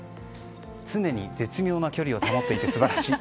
常に絶妙な距離を保っていて素晴らしい。